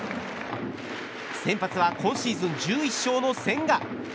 先発は今シーズン１１勝の千賀。